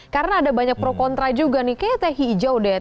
karena ada banyak pro kontra juga nih kayaknya teh hijau deh